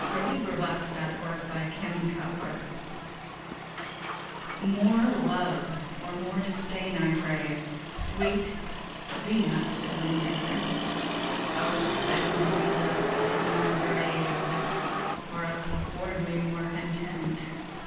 1678 403. Against Indifference MORE love or more disdain I crave; Sweet, be not still indifferent: O send me quickly to my grave, Or else afford me more content!